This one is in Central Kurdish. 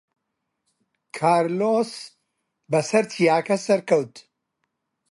کارلۆس بەسەر چیاکە سەرکەوت.